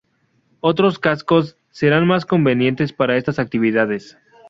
Otros cascos serán más convenientes para estas actividades.